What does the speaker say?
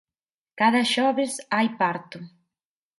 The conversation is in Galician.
Cada xoves hai parto.